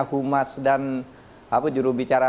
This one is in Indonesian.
humas dan jurubicara